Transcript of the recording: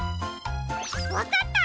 わかった！